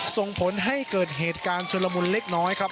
ส่งผลให้เกิดเหตุการณ์ชุลมุนเล็กน้อยครับ